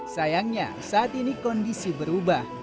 sayangnya saat ini kondisi berubah